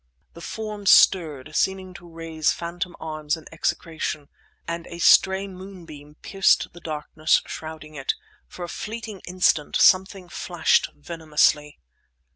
The form stirred, seeming to raise phantom arms in execration, and a stray moonbeam pierced the darkness shrouding it. For a fleeting instant something flashed venomously.